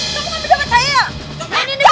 kau mau dapet saya